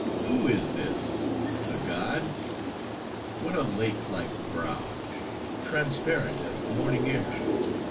Who is this?—a god? What a lake like brow! transparent as the morning air.